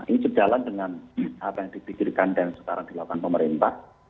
ini sejalan dengan apa yang dipikirkan dan sekarang dilakukan pemerintah